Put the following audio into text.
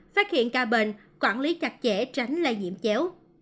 phát hiện ca bệnh quản lý chặt chẽ tránh lây nhiễm chéo